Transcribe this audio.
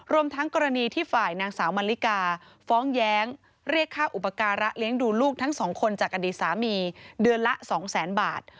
รวมทั้งกรณีที่ฝ่ายนางสาวมันลิกาฟ้องแย้งเรียกค่าอุปการะเลี้ยงดูลูกทั้งสองคนจากอดีตสามีเดือนละสองแสนบาท